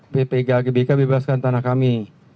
ppg hgbk bebaskan tanah kami